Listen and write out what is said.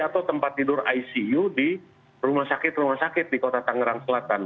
atau tempat tidur icu di rumah sakit rumah sakit di kota tangerang selatan